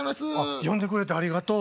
「呼んでくれてありがとう」。